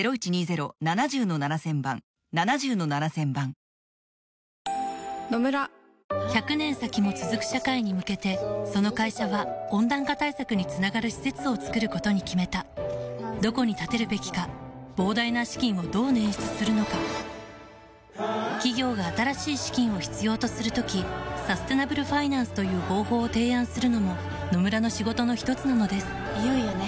アメリカは中東地域に展開する軍の防護態勢を強化するため１００年先も続く社会に向けてその会社は温暖化対策につながる施設を作ることに決めたどこに建てるべきか膨大な資金をどう捻出するのか企業が新しい資金を必要とする時サステナブルファイナンスという方法を提案するのも野村の仕事のひとつなのですいよいよね。